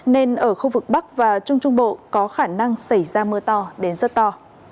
nên ở khu vực bắc và trung trung bộ có khả năng xảy ra mưa to đến rất to